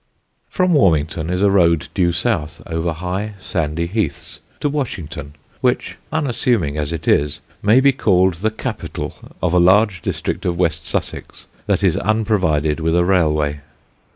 From Warminghurst is a road due south, over high sandy heaths, to Washington, which, unassuming as it is, may be called the capital of a large district of West Sussex that is unprovided with a railway.